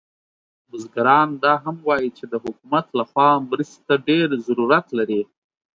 بزګران دا هم وایي چې د حکومت له خوا مرستې ته ډیر ضرورت لري